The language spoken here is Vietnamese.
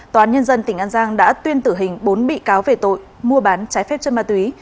tòa án nhân dân tỉnh an giang đã tuyên tử hình bốn bị cáo về tội mua bán trái phép chất ma túy